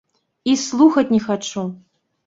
І слухаць не хачу!